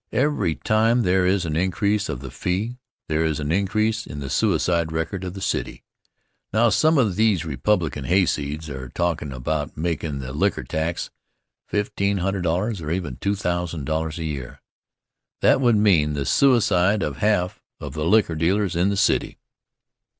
Every time there is an increase of the fee, there is an increase in the suicide record of the city. Now, some of these Republican hayseeds are talkin' about makin' the liquor tax $1500, or even $2000 a year. That would mean the suicide of half of the liquor dealers in the city.